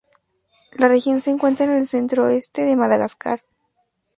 La región se encuentra en el centro-oeste de Madagascar.